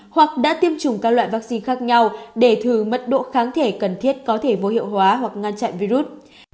hoặc đã tiêm chủng các loại vaccine khác nhau để thử mất độ kháng thể cần thiết có thể vô hiệu hóa hoặc ngăn chặn virus